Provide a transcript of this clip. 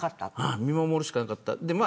見守るしかなかったです。